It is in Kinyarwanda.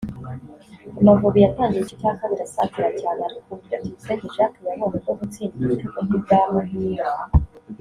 Amavubi yatangiye igice cya kabiri asatira cyane ariko uburyo Tuyisenge Jacques yabonye bwo gutsinda igitego ntibwamuhira